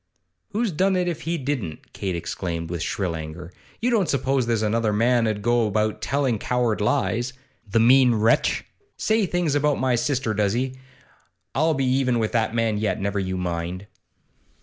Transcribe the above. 'Who's done it, if he didn't?' Kate exclaimed, with shrill anger. 'You don't suppose there's another man 'ud go about telling coward lies? The mean wretch! Says things about my sister, does he? I'll be even with that man yet, never you mind.